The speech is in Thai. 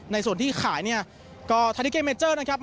ในส่วนที่ขายเนี่ยก็ทาลิเกเมเจอร์นะครับ